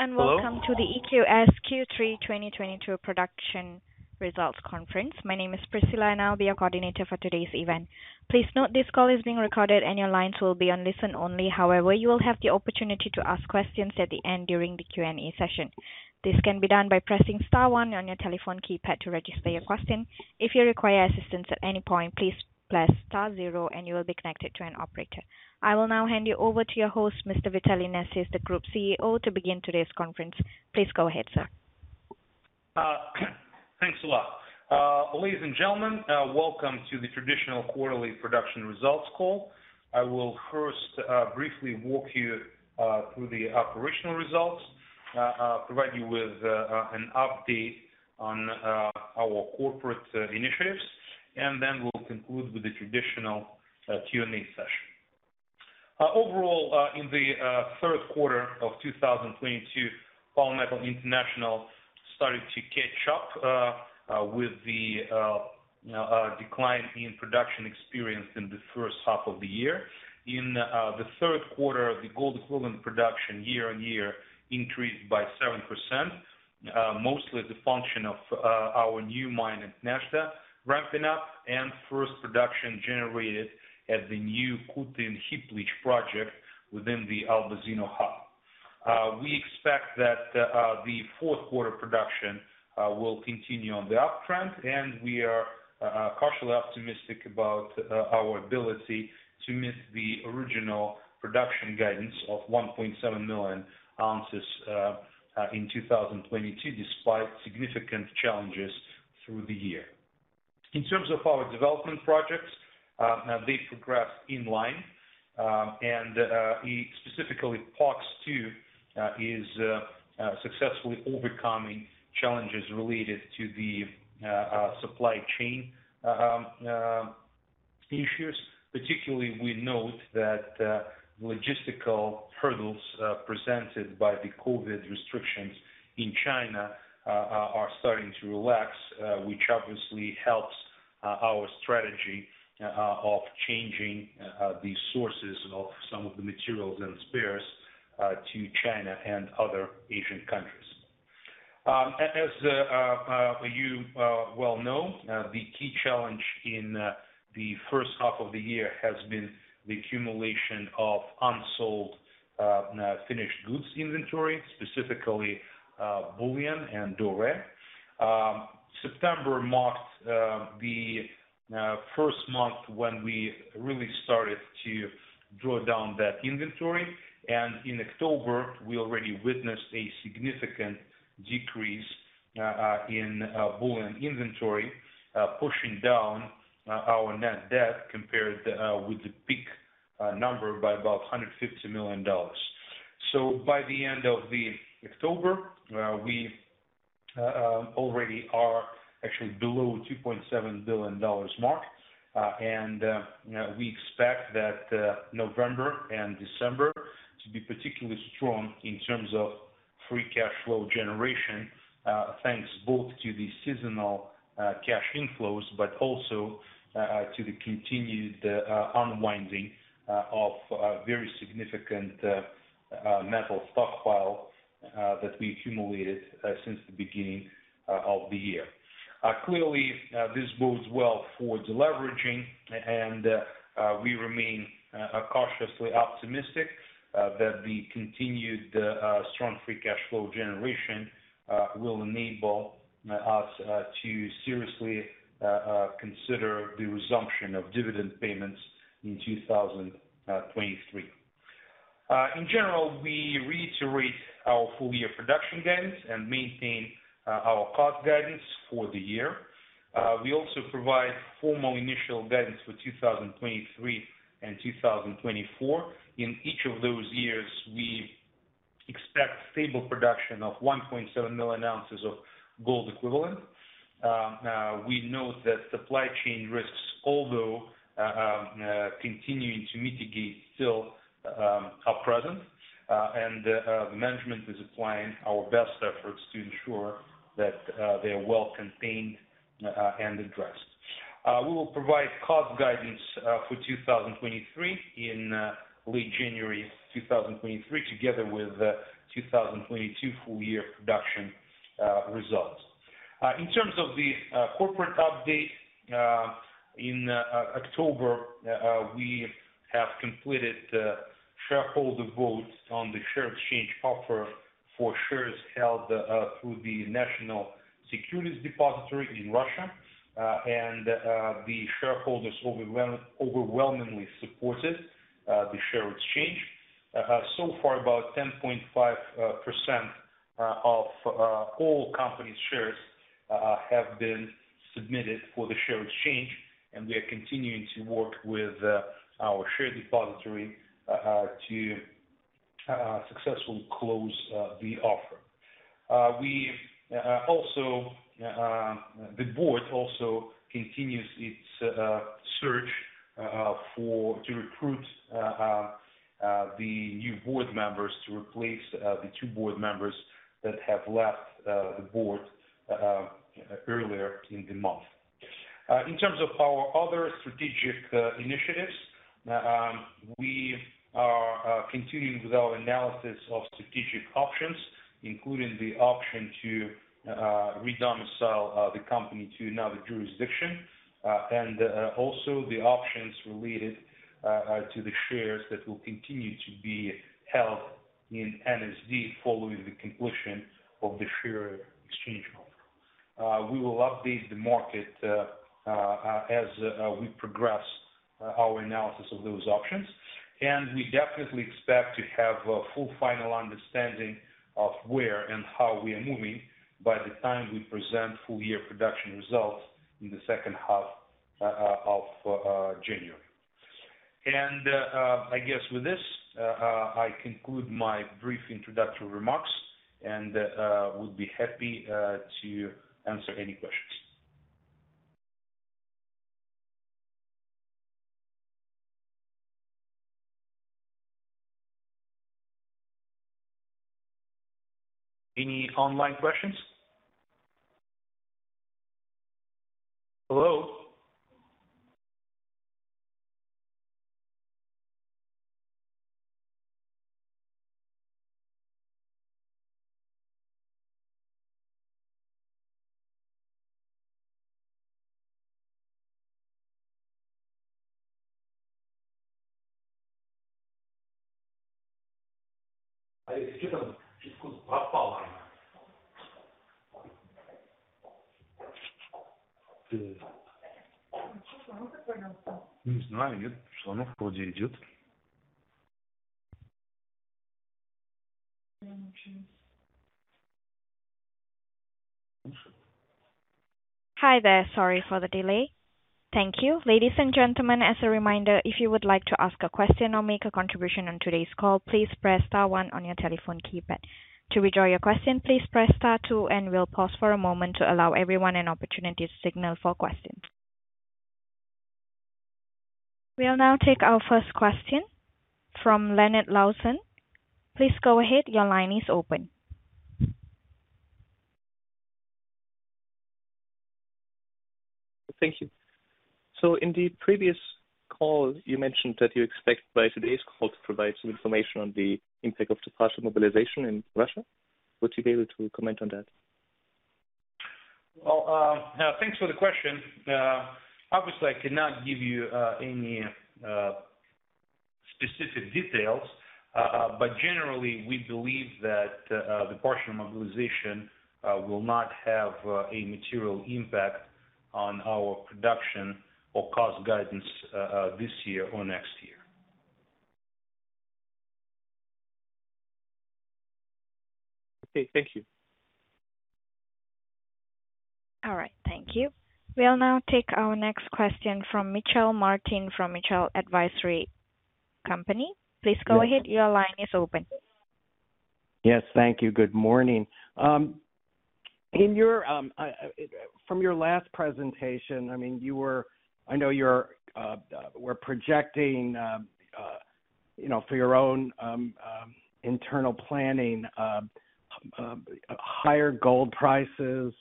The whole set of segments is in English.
Hello, and welcome to the EQS Q3 2022 production results conference. My name is Priscilla, and I'll be your coordinator for today's event. Please note this call is being recorded, and your lines will be on listen-only. However, you will have the opportunity to ask questions at the end during the Q&A session. This can be done by pressing star one on your telephone keypad to register your question. If you require assistance at any point, please press star zero and you will be connected to an operator. I will now hand you over to your host, Mr. Vitaly Nesis, the Group CEO, to begin today's conference. Please go ahead, sir. Thanks a lot. Ladies and gentlemen, welcome to the traditional quarterly production results call. I will first briefly walk you through the operational results, provide you with an update on our corporate initiatives, and then we'll conclude with the traditional Q&A session. Overall, in the third quarter of 2022, Polymetal International started to catch up with the decline in production experienced in the first half of the year. In the third quarter, the gold equivalent production year-on-year increased by 7%, mostly the function of our new mine at Nezhda ramping up and first production generated at the new Kutyn heap leach project within the Albazino Hub. We expect that the fourth quarter production will continue on the uptrend, and we are cautiously optimistic about our ability to meet the original production guidance of 1.7 million ounces in 2022, despite significant challenges through the year. In terms of our development projects, they progress in line, and specifically POX-2 is successfully overcoming challenges related to the supply chain issues. Particularly, we note that logistical hurdles presented by the COVID restrictions in China are starting to relax, which obviously helps our strategy of changing the sources of some of the materials and spares to China and other Asian countries. As you well know, the key challenge in the first half of the year has been the accumulation of unsold finished goods inventory, specifically bullion and doré. September marked the first month when we really started to draw down that inventory, and in October, we already witnessed a significant decrease in bullion inventory, pushing down our net debt compared with the peak number by about $150 million. By the end of October, we already are actually below $2.7 billion mark. We expect that November and December to be particularly strong in terms of free cash flow generation, thanks both to the seasonal cash inflows, but also to the continued unwinding of very significant metal stockpile that we accumulated since the beginning of the year. Clearly, this bodes well for deleveraging, and we remain cautiously optimistic that the continued strong free cash flow generation will enable us to seriously consider the resumption of dividend payments in 2023. In general, we reiterate our full year production guidance and maintain our cost guidance for the year. We also provide formal initial guidance for 2023 and 2024. In each of those years, we expect stable production of 1.7 million ounces of gold equivalent. We note that supply chain risks, although continuing to mitigate, still are present, and the management is applying our best efforts to ensure that they are well contained and addressed. We will provide cost guidance for 2023 in late January 2023, together with the 2022 full year production results. In terms of the corporate update, in October, we have completed shareholder votes on the share exchange offer for shares held through the National Settlement Depository in Russia. The shareholders overwhelmingly supported the share exchange. So far, about 10.5% of all company shares have been submitted for the share exchange, and we are continuing to work with our share depository to successfully close the offer. The board also continues its search for to recruit the new board members to replace the two board members that have left the board earlier in the month. In terms of our other strategic initiatives, we are continuing with our analysis of strategic options, including the option to redomicile the company to another jurisdiction, and also the options related to the shares that will continue to be held in NSD following the conclusion of the share exchange offer. We will update the market as we progress our analysis of those options. We definitely expect to have a full final understanding of where and how we are moving by the time we present full year production results in the second half of January. I guess with this I conclude my brief introductory remarks and would be happy to answer any questions. Any online questions? Hello? Hi there. Sorry for the delay. Thank you. Ladies and gentlemen, as a reminder, if you would like to ask a question or make a contribution on today's call, please press star one on your telephone keypad. To withdraw your question, please press star two, and we'll pause for a moment to allow everyone an opportunity to signal for questions. We'll now take our first question from Leonard Lawson. Please go ahead. Your line is open. Thank you. In the previous call, you mentioned that you expect by today's call to provide some information on the impact of the partial mobilization in Russia. Would you be able to comment on that? Well, thanks for the question. Obviously, I cannot give you any specific details, but generally, we believe that the partial mobilization will not have a material impact on our production or cost guidance this year or next year. Okay. Thank you. All right. Thank you. We'll now take our next question from Mitchell Martin, from Mitchell Advisory Company. Please go ahead. Your line is open. Yes, thank you. Good morning. In your last presentation, I mean, I know you were projecting, you know, for your own internal planning, higher gold prices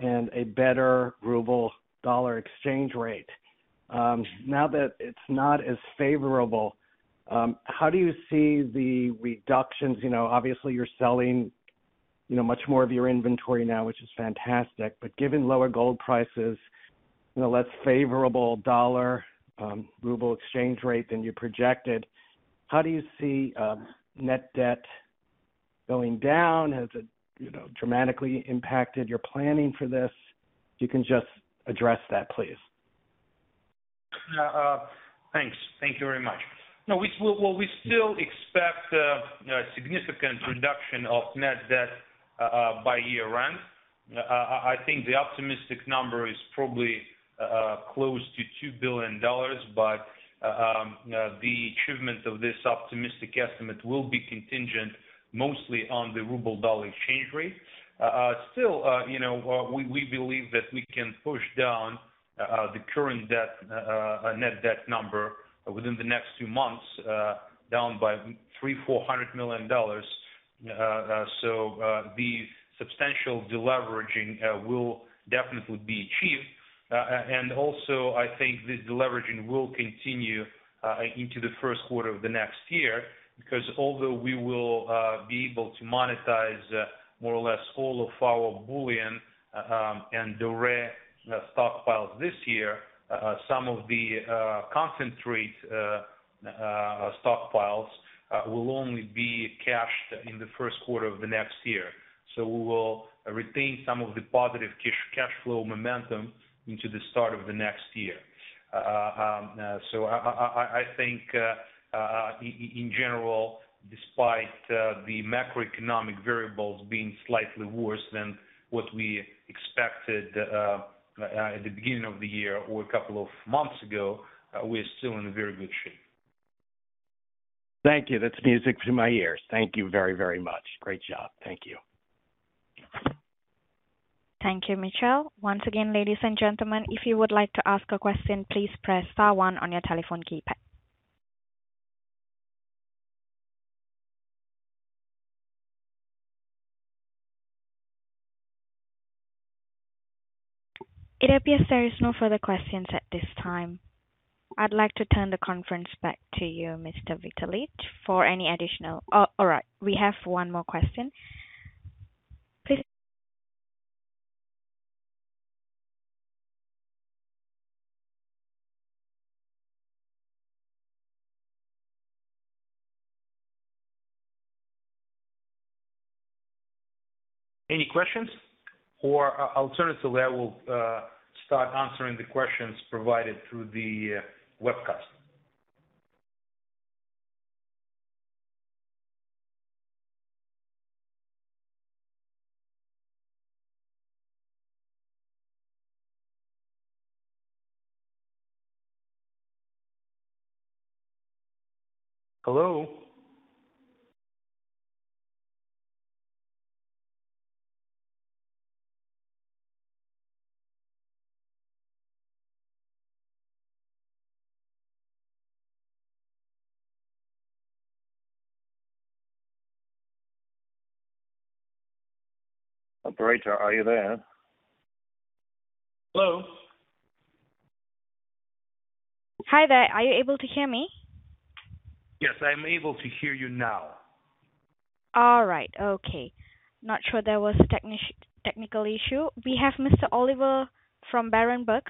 and a better ruble dollar exchange rate. Now that it's not as favorable, how do you see the reductions? You know, obviously, you're selling, you know, much more of your inventory now, which is fantastic. But given lower gold prices, you know, less favorable dollar ruble exchange rate than you projected, how do you see net debt going down? Has it, you know, dramatically impacted your planning for this? You can just address that, please. Thanks. Thank you very much. No, we still expect a significant reduction of net debt by year-end. I think the optimistic number is probably close to $2 billion, but the achievement of this optimistic estimate will be contingent mostly on the ruble-dollar exchange rate. Still, you know, we believe that we can push down the current net debt number within the next two months down by $300-$400 million. The substantial deleveraging will definitely be achieved. I think the deleveraging will continue into the first quarter of the next year, because although we will be able to monetize more or less all of our bullion and the rare earths stockpiles this year, some of the concentrate stockpiles will only be cashed in the first quarter of the next year. We will retain some of the positive cash flow momentum into the start of the next year. I think in general, despite the macroeconomic variables being slightly worse than what we expected at the beginning of the year or a couple of months ago, we're still in very good shape. Thank you. That's music to my ears. Thank you very, very much. Great job. Thank you. Thank you, Mitchell. Once again, ladies and gentlemen, if you would like to ask a question, please press star one on your telephone keypad. It appears there is no further questions at this time. I'd like to turn the conference back to you, Mr. Vitaly Nesis. Oh, all right, we have one more question. Please. Any questions? Or alternatively, I will start answering the questions provided through the webcast. Hello? Operator, are you there? Hello? Hi there. Are you able to hear me? Yes, I'm able to hear you now. All right. Okay. Not sure there was a technical issue. We have Mr. Oliver from Berenberg.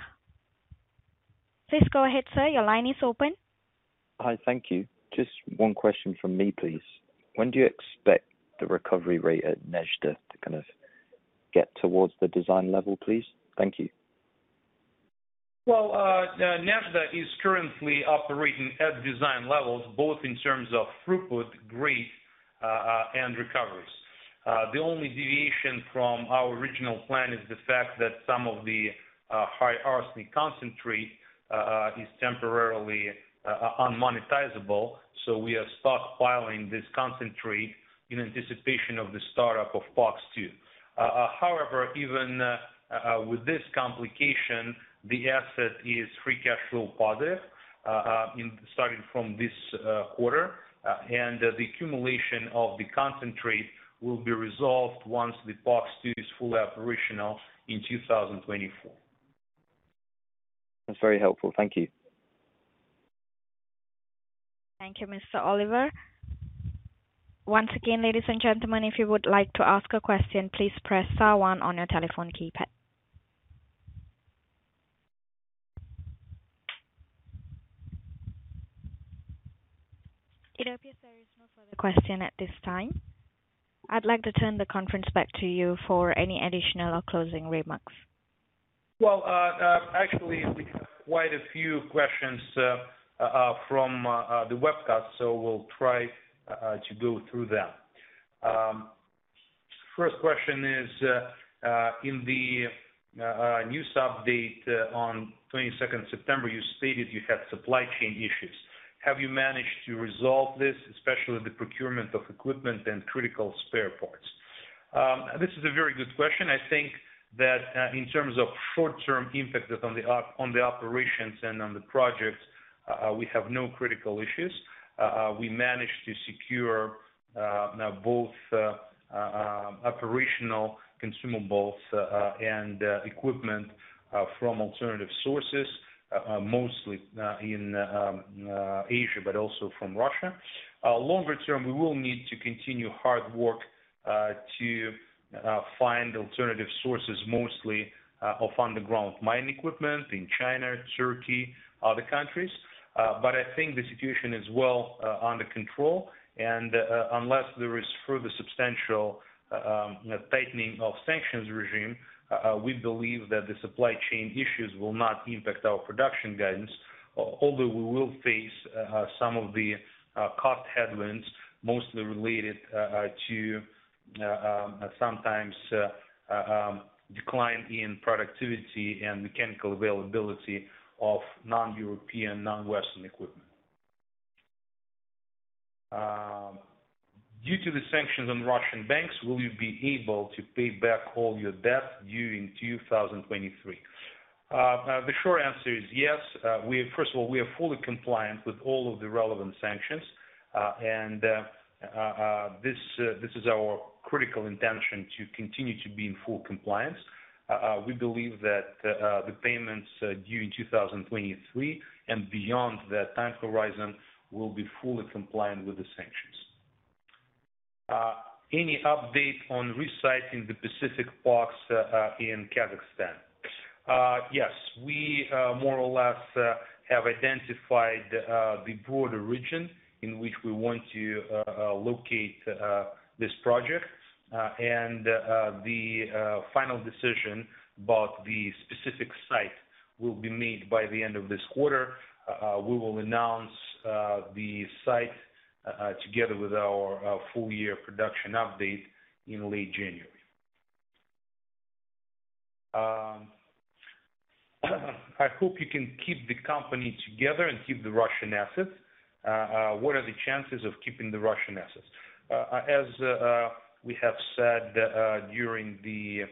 Please go ahead, sir. Your line is open. Hi. Thank you. Just one question from me, please. When do you expect the recovery rate at Nezhda to kind of get towards the design level, please? Thank you. Nezhda is currently operating at design levels, both in terms of throughput grade and recoveries. The only deviation from our original plan is the fact that some of the high arsenic concentrate is temporarily unmonetizable, so we are stockpiling this concentrate in anticipation of the startup of POX-2. However, even with this complication, the asset is free cash flow positive starting from this quarter, and the accumulation of the concentrate will be resolved once the POX-2 is fully operational in 2024. That's very helpful. Thank you. Thank you, Mr. Oliver. Once again, ladies and gentlemen, if you would like to ask a question, please press star one on your telephone keypad. It appears there is no further question at this time. I'd like to turn the conference back to you for any additional closing remarks. Well, actually, we have quite a few questions from the webcast, so we'll try to go through them. First question is, in the news update on September 22, you stated you had supply chain issues. Have you managed to resolve this, especially the procurement of equipment and critical spare parts? This is a very good question. I think that in terms of short-term impact just on the operations and on the projects, we have no critical issues. We managed to secure both operational consumables and equipment from alternative sources, mostly in Asia, but also from Russia. Longer term, we will need to continue hard work to find alternative sources, mostly of underground mine equipment in China, Turkey, other countries. I think the situation is well under control. Unless there is further substantial tightening of sanctions regime, we believe that the supply chain issues will not impact our production guidance. Although we will face some of the cost headwinds, mostly related to sometimes decline in productivity and mechanical availability of non-European, non-Western equipment. Due to the sanctions on Russian banks, will you be able to pay back all your debt during 2023? The short answer is yes. First of all, we are fully compliant with all of the relevant sanctions, and this is our critical intention to continue to be in full compliance. We believe that the payments due in 2023 and beyond that time horizon will be fully compliant with the sanctions. Any update on relocating the Pacific POX in Kazakhstan? Yes. We more or less have identified the broader region in which we want to locate this project. The final decision about the specific site will be made by the end of this quarter. We will announce the site together with our full year production update in late January. I hope you can keep the company together and keep the Russian assets. What are the chances of keeping the Russian assets? As we have said during the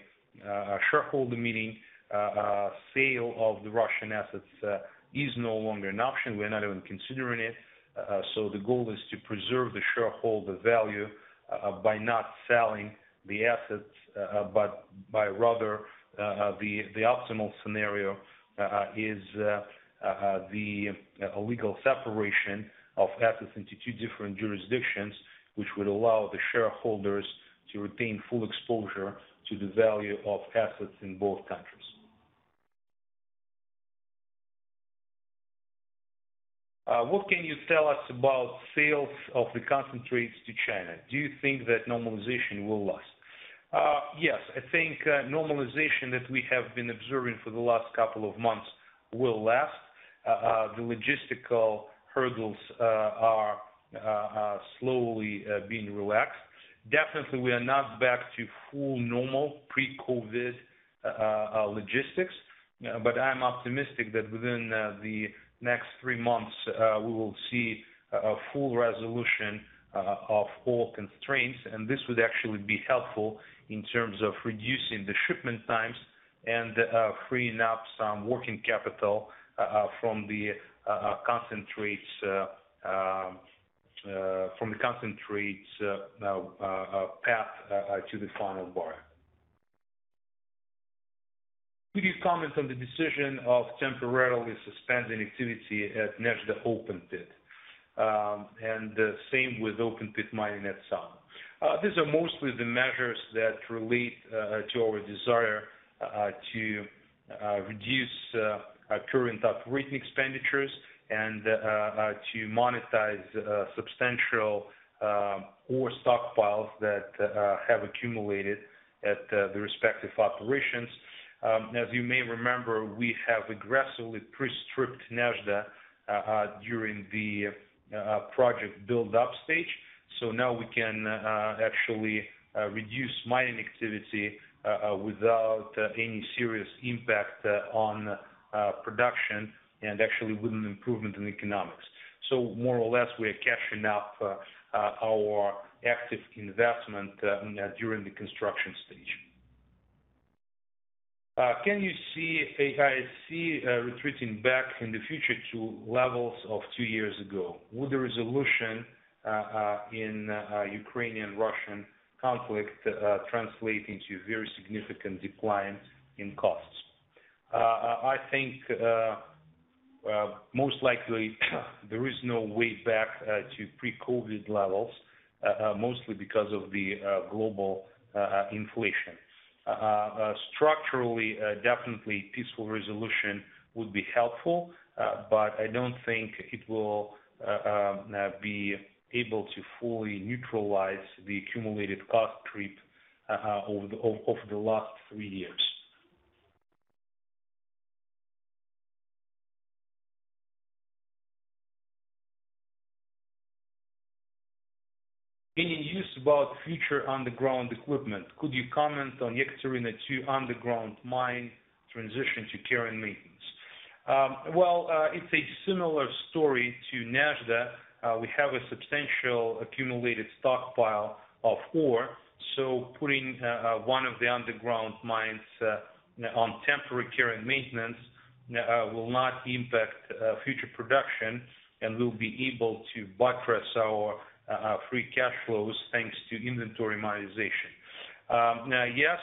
shareholder meeting, sale of the Russian assets is no longer an option. We are not even considering it. The goal is to preserve the shareholder value by not selling the assets but by rather the optimal scenario is a legal separation of assets into two different jurisdictions, which would allow the shareholders to retain full exposure to the value of assets in both countries. What can you tell us about sales of the concentrates to China? Do you think that normalization will last? Yes. I think normalization that we have been observing for the last couple of months will last. The logistical hurdles are slowly being relaxed. Definitely we are not back to full normal pre-COVID logistics. I'm optimistic that within the next three months we will see a full resolution of all constraints, and this would actually be helpful in terms of reducing the shipment times and freeing up some working capital from the concentrates path to the final buyer. Could you comment on the decision of temporarily suspending activity at Nezhda open pit, and the same with open pit mining at Saum? These are mostly the measures that relate to our desire to reduce our current operating expenditures and to monetize substantial ore stockpiles that have accumulated at the respective operations. As you may remember, we have aggressively pre-stripped Nezhda during the project build-up stage. Now we can actually reduce mining activity without any serious impact on production and actually with an improvement in economics. More or less, we are cashing up our active investment during the construction stage. Can you see HIC retreating back in the future to levels of two years ago? Would the resolution in the Ukrainian-Russian conflict translate into very significant declines in costs? I think most likely there is no way back to pre-COVID levels, mostly because of the global inflation. Structurally, definitely peaceful resolution would be helpful, but I don't think it will be able to fully neutralize the accumulated cost creep over the last three years. Any news about future underground equipment? Could you comment on Ekaterinskaya underground mine transition to care and maintenance? Well, it's a similar story to Nezhda. We have a substantial accumulated stockpile of ore. Putting one of the underground mines on temporary care and maintenance will not impact future production and will be able to buttress our free cash flows thanks to inventory monetization. Yes,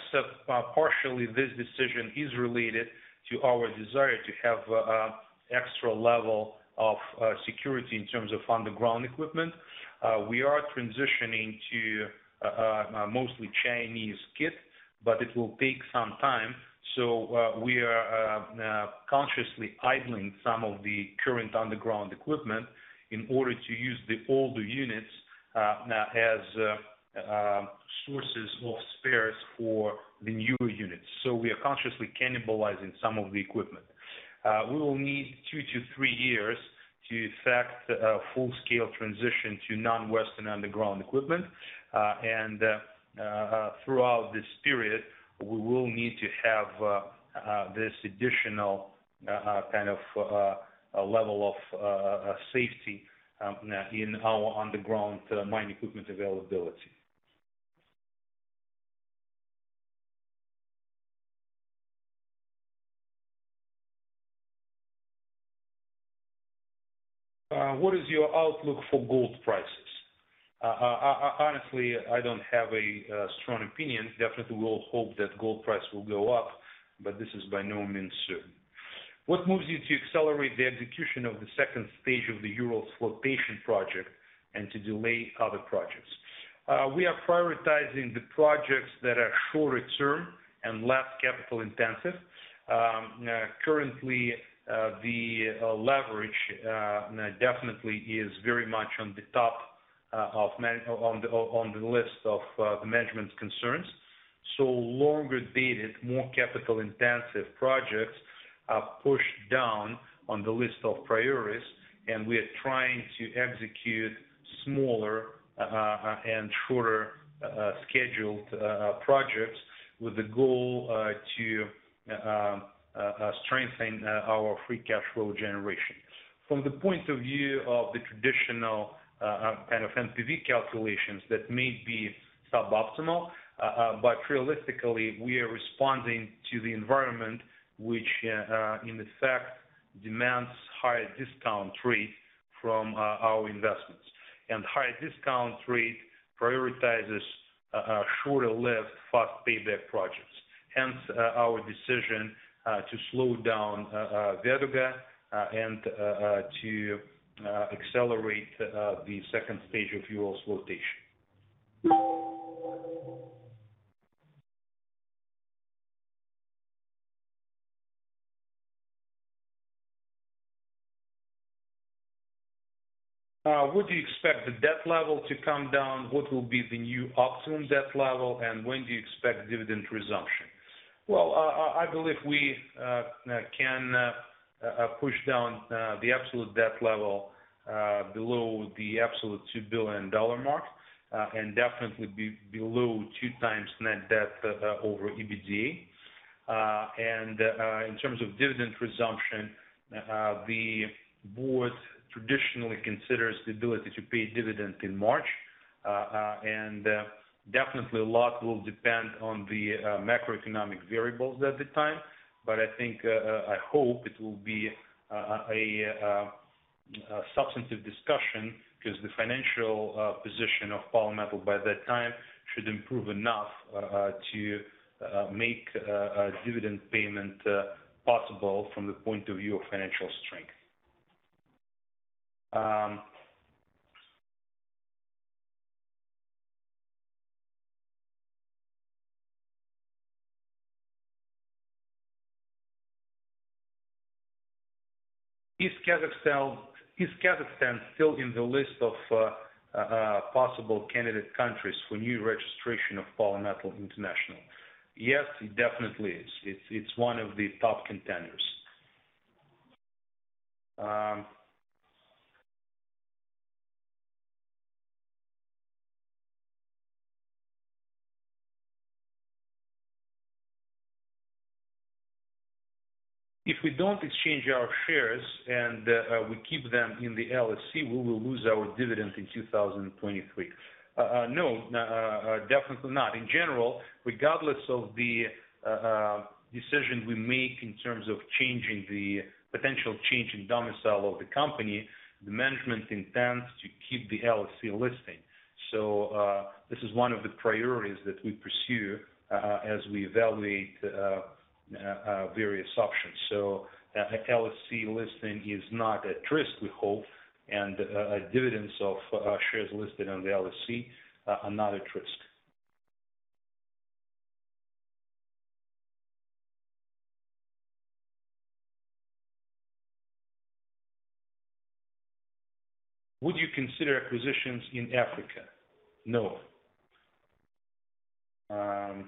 partially this decision is related to our desire to have extra level of security in terms of underground equipment. We are transitioning to mostly Chinese kit, but it will take some time, so we are consciously idling some of the current underground equipment in order to use the older units as sources of spares for the newer units. So we are consciously cannibalizing some of the equipment. We will need two-three years to effect a full-scale transition to non-Western underground equipment. Throughout this period, we will need to have this additional kind of level of safety in our underground mine equipment availability. What is your outlook for gold prices? Honestly, I don't have a strong opinion. Definitely we'll hope that gold price will go up, but this is by no means certain. What moves you to accelerate the execution of the second stage of the Urals flotation project and to delay other projects? We are prioritizing the projects that are shorter term and less capital intensive. Currently, the leverage definitely is very much on the top of the list of the management concerns. Longer dated, more capital-intensive projects are pushed down on the list of priorities, and we are trying to execute smaller and shorter scheduled projects with the goal to strengthen our free cash flow generation. From the point of view of the traditional kind of NPV calculations, that may be suboptimal, but realistically, we are responding to the environment which, in effect, demands higher discount rate from our investments. Higher discount rate prioritizes shorter-lived fast payback projects. Hence, our decision to slow down Veduga and to accelerate the second stage of Urals flotation. Would you expect the debt level to come down? What will be the new optimum debt level? When do you expect dividend resumption? Well, I believe we can push down the absolute debt level below the absolute $2 billion mark, and definitely be below 2x net debt over EBITDA. In terms of dividend resumption, the board traditionally considers the ability to pay dividend in March. Definitely a lot will depend on the macroeconomic variables at the time. I think I hope it will be a substantive discussion because the financial position of Polymetal by that time should improve enough to make a dividend payment possible from the point of view of financial strength. Is Kazakhstan still in the list of possible candidate countries for new registration of Polymetal International? Yes, it definitely is. It's one of the top contenders. If we don't exchange our shares and we keep them in the LSE, we will lose our dividend in 2023. No, definitely not. In general, regardless of the decision we make in terms of changing the potential change in domicile of the company, the management intends to keep the LSE listing. This is one of the priorities that we pursue as we evaluate various options. LSE listing is not at risk, we hope, and dividends of shares listed on the LSE are not at risk. Would you consider acquisitions in Africa? No. Do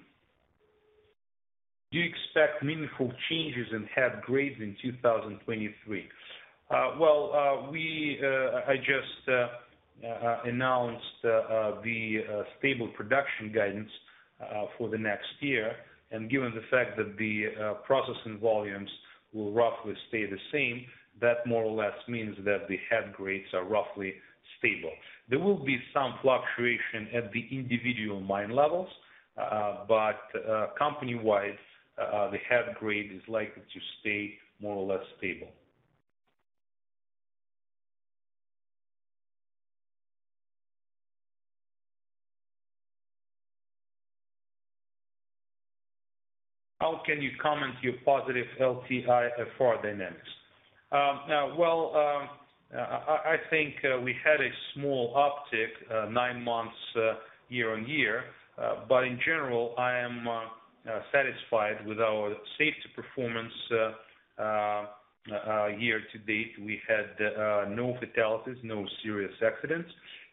you expect meaningful changes in head grades in 2023? Well, I just announced the stable production guidance for the next year. Given the fact that the processing volumes will roughly stay the same, that more or less means that the head grades are roughly stable. There will be some fluctuation at the individual mine levels, but company-wide, the head grade is likely to stay more or less stable. How can you comment your positive LTIFR dynamics? Well, I think we had a small uptick nine months year on year. In general, I am satisfied with our safety performance year to date. We had no fatalities, no serious accidents,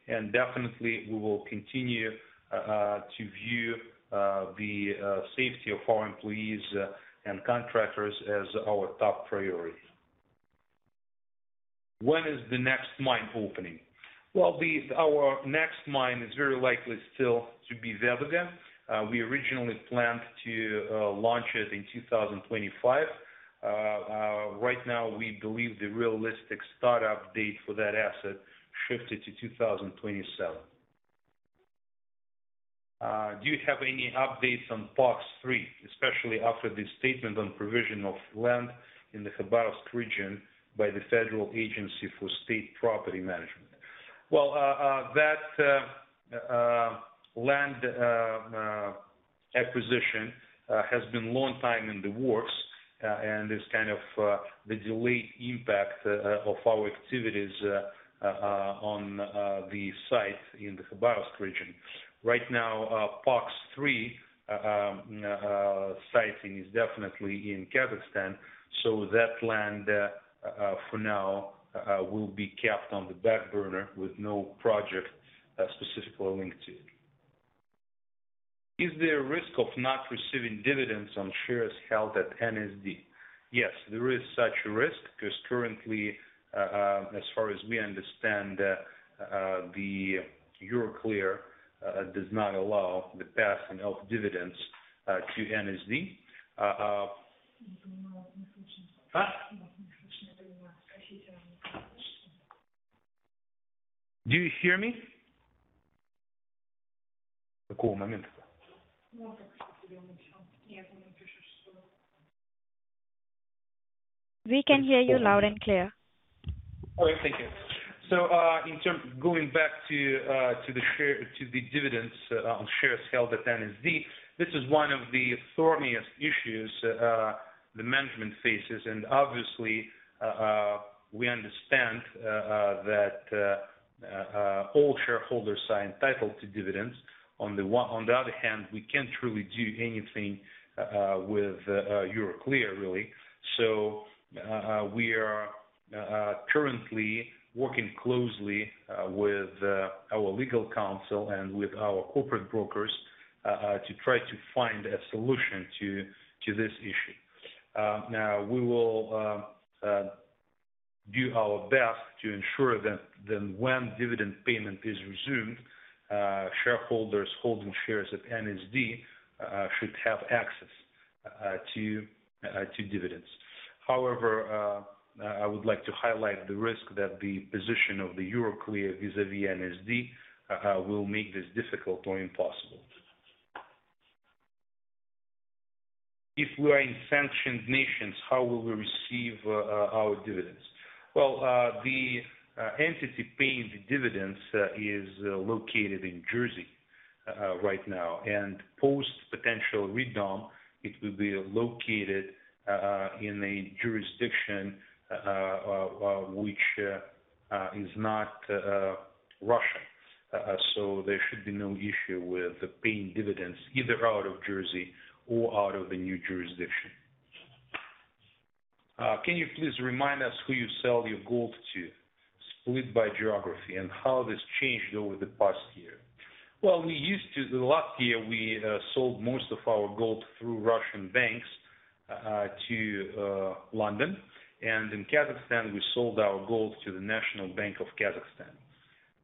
and definitely we will continue to view the safety of our employees and contractors as our top priority. When is the next mine opening? Well, our next mine is very likely still to be Veduga. We originally planned to launch it in 2025. Right now, we believe the realistic start-up date for that asset shifted to 2027. Do you have any updates on POX-3, especially after the statement on provision of land in the Khabarovsk region by the Federal Agency for State Property Management? That land acquisition has been a long time in the works, and is kind of the delayed impact of our activities on the site in the Khabarovsk region. Right now, POX-3 siting is definitely in Kazakhstan, so that land, for now, will be kept on the back burner with no project specifically linked to it. Is there a risk of not receiving dividends on shares held at NSD? Yes, there is such a risk because currently, as far as we understand, Euroclear does not allow the passing of dividends to NSD. Huh? Do you hear me? We can hear you loud and clear. All right. Thank you. Going back to the dividends on shares held at NSD, this is one of the thorniest issues the management faces. Obviously, we understand that all shareholders are entitled to dividends. On the other hand, we can't really do anything with Euroclear, really. We are currently working closely with our legal counsel and with our corporate brokers to try to find a solution to this issue. Now, we will do our best to ensure that when dividend payment is resumed, shareholders holding shares at NSD have access to dividends. However, I would like to highlight the risk that the position of Euroclear vis-à-vis NSD will make this difficult or impossible. If we are in sanctioned nations, how will we receive our dividends? Well, the entity paying the dividends is located in Jersey right now. Post potential redomicile, it will be located in a jurisdiction which is not Russian. There should be no issue with paying dividends either out of Jersey or out of the new jurisdiction. Can you please remind us who you sell your gold to, split by geography, and how this changed over the past year? Well, last year, we sold most of our gold through Russian banks to London. In Kazakhstan, we sold our gold to the National Bank of Kazakhstan.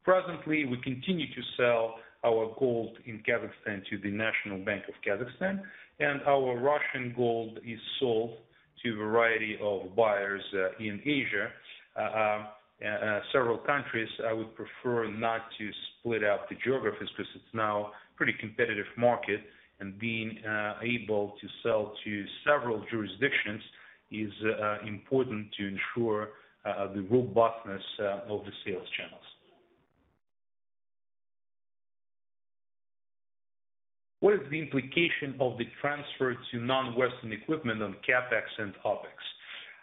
Presently, we continue to sell our gold in Kazakhstan to the National Bank of Kazakhstan, and our Russian gold is sold to a variety of buyers in Asia, several countries. I would prefer not to split out the geographies because it's now pretty competitive market, and being able to sell to several jurisdictions is important to ensure the robustness of the sales channels. What is the implication of the transfer to non-Western equipment on CapEx and OpEx?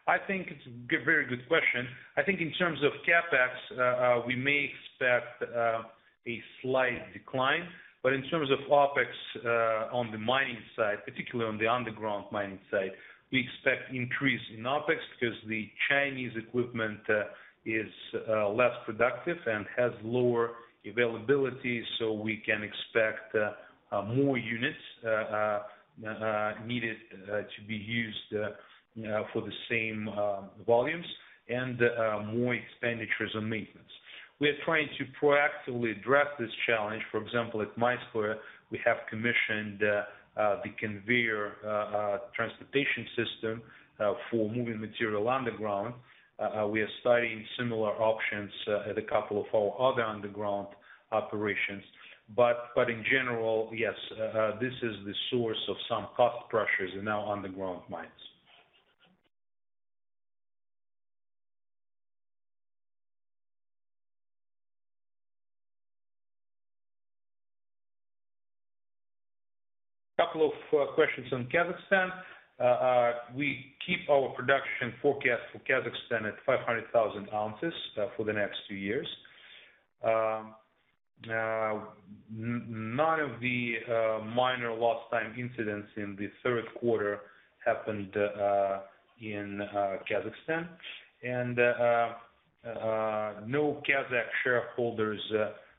I think it's a very good question. I think in terms of CapEx, we may expect a slight decline. In terms of OpEx, on the mining side, particularly on the underground mining side, we expect increase in OpEx because the Chinese equipment is less productive and has lower availability, so we can expect more units needed to be used for the same volumes and more expenditures on maintenance. We are trying to proactively address this challenge. For example, at Mayskaya, we have commissioned the conveyor transportation system for moving material underground. We are studying similar options at a couple of our other underground operations. In general, yes, this is the source of some cost pressures in our underground mines. Couple of questions on Kazakhstan. We keep our production forecast for Kazakhstan at 500,000 ounces for the next two years. None of the minor last-minute incidents in the third quarter happened in Kazakhstan. No Kazakh shareholders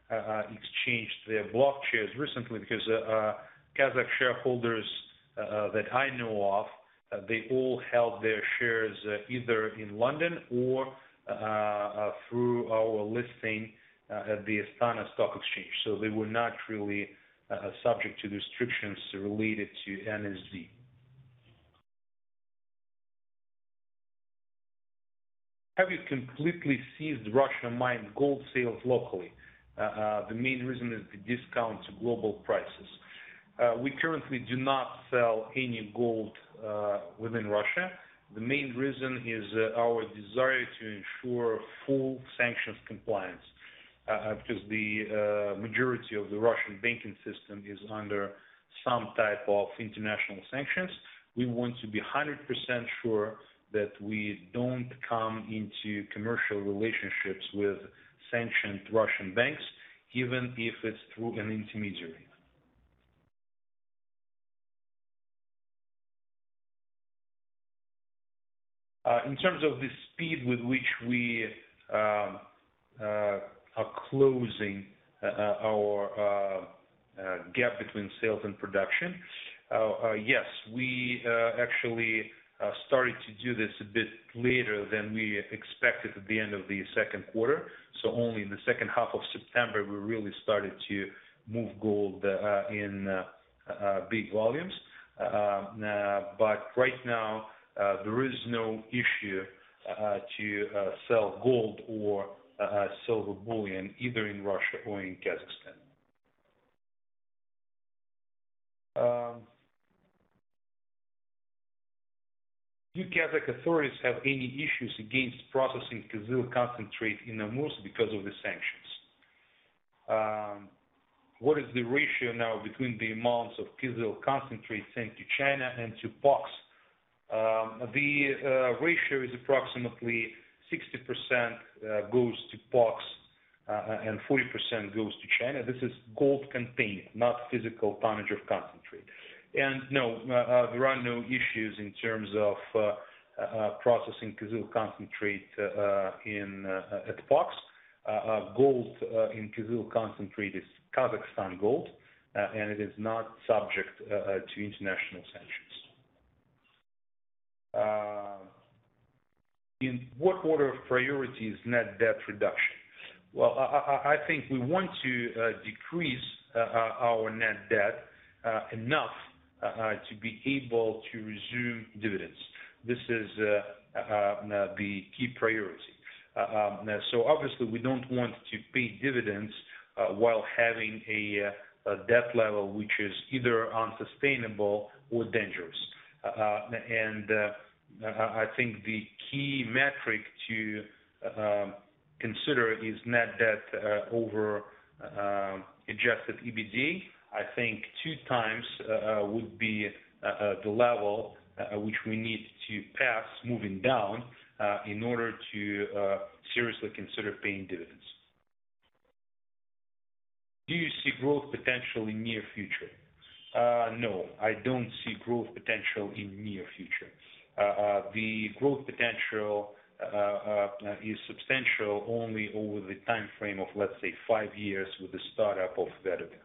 exchanged their blocked shares recently because Kazakh shareholders that I know of, they all held their shares either in London or through our listing at the Astana International Exchange. They were not really subject to restrictions related to NSD. Have you completely ceased Russian-mined gold sales locally? The main reason is the discount to global prices. We currently do not sell any gold within Russia. The main reason is our desire to ensure full sanctions compliance, because the majority of the Russian banking system is under some type of international sanctions. We want to be 100% sure that we don't come into commercial relationships with sanctioned Russian banks, even if it's through an intermediary. In terms of the speed with which we are closing our gap between sales and production, yes. We actually started to do this a bit later than we expected at the end of the second quarter, so only in the second half of September we really started to move gold in big volumes. Right now, there is no issue to sell gold or silver bullion, either in Russia or in Kazakhstan. Do Kazakh authorities have any issues against processing Kyzyl concentrate in Almaty because of the sanctions? What is the ratio now between the amounts of Kyzyl concentrate sent to China and to POX? The ratio is approximately 60% goes to POX, and 40% goes to China. This is gold contained, not physical tonnage of concentrate. No, there are no issues in terms of processing Kyzyl concentrate at POX. Gold in Kyzyl concentrate is Kazakhstan gold, and it is not subject to international sanctions. In what order of priority is net debt reduction? Well, I think we want to decrease our net debt enough to be able to resume dividends. This is the key priority. Obviously we don't want to pay dividends while having a debt level which is either unsustainable or dangerous. I think the key metric to consider is net debt over Adjusted EBITDA. I think 2x would be the level which we need to pass moving down in order to seriously consider paying dividends. Do you see growth potential in near future? No, I don't see growth potential in near future. The growth potential is substantial only over the timeframe of, let's say, five years with the startup of Veduga.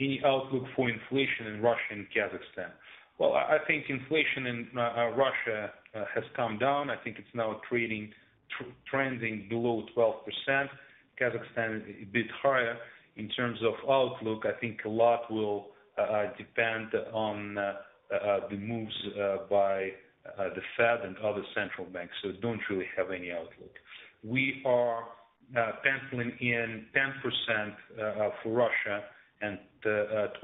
Any outlook for inflation in Russia and Kazakhstan? Well, I think inflation in Russia has come down. I think it's now trending below 12%. Kazakhstan is a bit higher. In terms of outlook, I think a lot will depend on the moves by the Fed and other central banks, so don't really have any outlook. We are penciling in 10% for Russia and 12%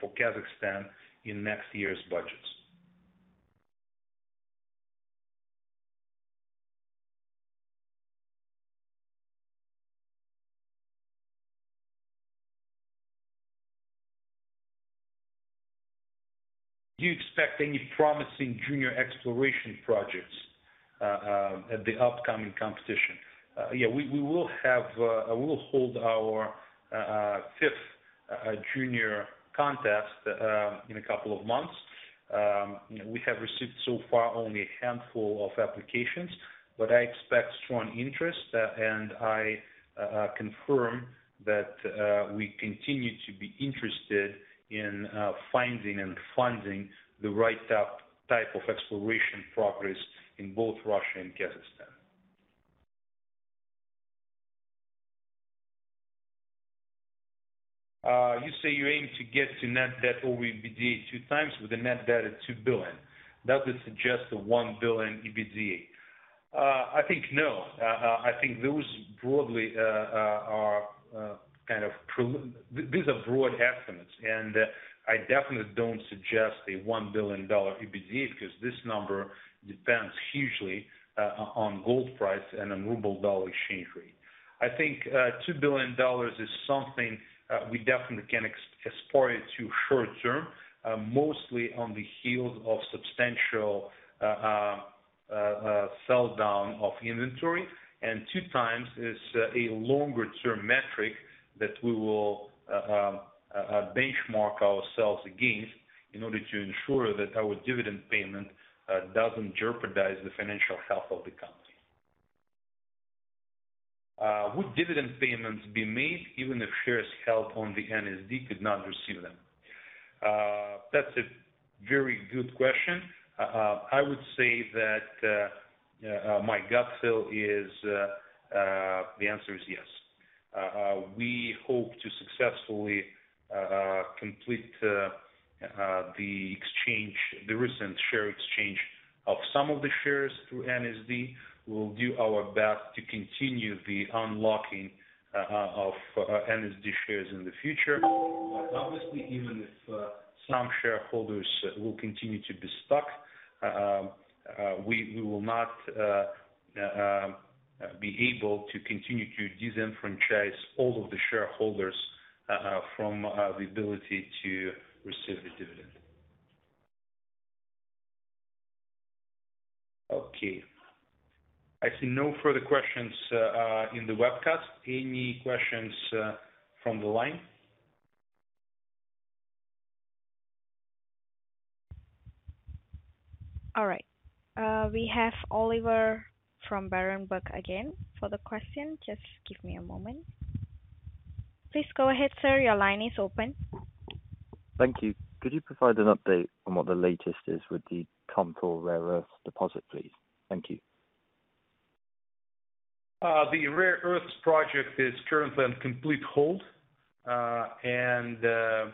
for Kazakhstan in next year's budgets. Do you expect any promising junior exploration projects at the upcoming competition? Yeah, we will hold our fifth junior contest in a couple of months. We have received so far only a handful of applications, but I expect strong interest, and I confirm that we continue to be interested in finding and funding the right type of exploration progress in both Russia and Kazakhstan. You say you aim to get to net debt to EBITDA 2x with a net debt of $2 billion. Does it suggest a $1 billion EBITDA? I think no. I think those, broadly, are kind of preliminary. These are broad estimates, and I definitely don't suggest a $1 billion EBITDA, 'cause this number depends hugely on gold price and on ruble-dollar exchange rate. I think $2 billion is something we definitely can expect short term, mostly on the heels of substantial sell down of inventory. 2x is a longer term metric that we will benchmark ourselves against in order to ensure that our dividend payment doesn't jeopardize the financial health of the company. Would dividend payments be made even if shares held on the NSD could not receive them? That's a very good question. I would say that my gut feel is the answer is yes. We hope to successfully complete the exchange, the recent share exchange of some of the shares through NSD. We'll do our best to continue the unlocking of NSD shares in the future. Obviously, even if some shareholders will continue to be stuck, we will not be able to continue to disenfranchise all of the shareholders from the ability to receive the dividend. Okay. I see no further questions in the webcast. Any questions from the line? All right. We have Oliver from Berenberg again for the question. Just give me a moment. Please go ahead, sir. Your line is open. Thank you. Could you provide an update on what the latest is with the Kutyn rare earths deposit, please? Thank you. The rare earths project is currently on complete hold. We're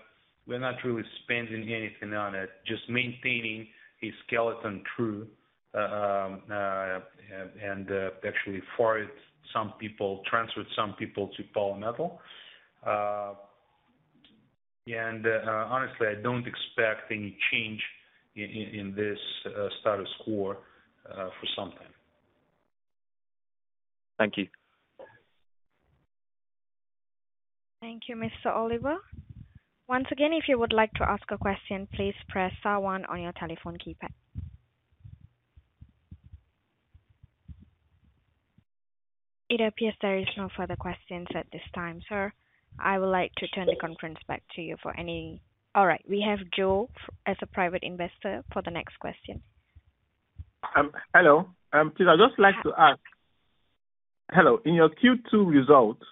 not really spending anything on it, just maintaining a skeleton crew. Actually fired some people, transferred some people to Polymetal. Honestly, I don't expect any change in this status quo for some time. Thank you. Thank you, Mr. Oliver. Once again, if you would like to ask a question, please press star one on your telephone keypad. It appears there is no further questions at this time. Sir, I would like to turn the conference back to you. All right. We have Joe as a private investor for the next question. Hello. So I'd just like to ask. In your Q2 results,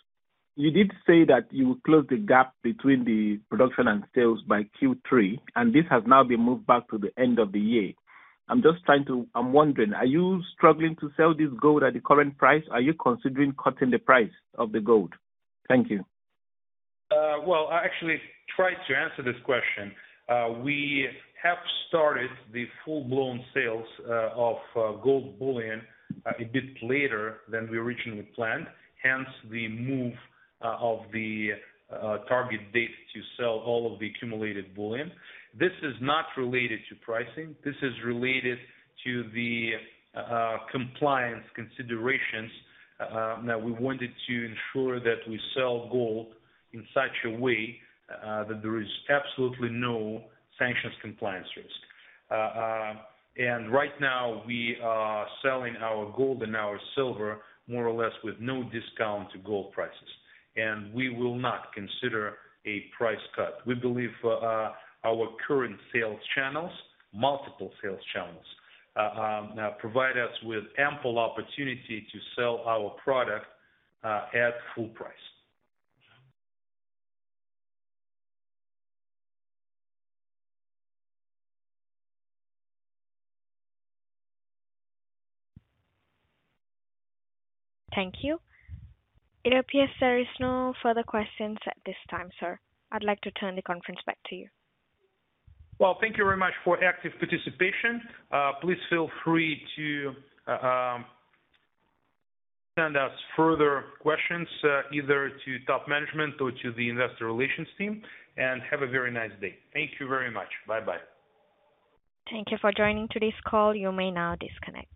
you did say that you would close the gap between the production and sales by Q3, and this has now been moved back to the end of the year. I'm wondering, are you struggling to sell this gold at the current price? Are you considering cutting the price of the gold? Thank you. Well, I actually tried to answer this question. We have started the full-blown sales of gold bullion a bit later than we originally planned, hence the move of the target date to sell all of the accumulated bullion. This is not related to pricing. This is related to the compliance considerations that we wanted to ensure that we sell gold in such a way that there is absolutely no sanctions compliance risk. Right now we are selling our gold and our silver more or less with no discount to gold prices. We will not consider a price cut. We believe our current sales channels, multiple sales channels, provide us with ample opportunity to sell our product at full price. Thank you. It appears there is no further questions at this time, sir. I'd like to turn the conference back to you. Well, thank you very much for active participation. Please feel free to send us further questions, either to top management or to the investor relations team. Have a very nice day. Thank you very much. Bye-bye. Thank you for joining today's call. You may now disconnect.